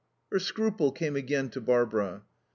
Her scruple came again to Barbara.